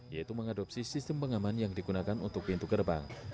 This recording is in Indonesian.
yaitu mengadopsi sistem pengaman yang digunakan untuk pintu gerbang